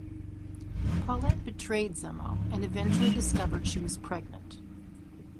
Paulette betrayed Zemo and eventually discovered she was pregnant.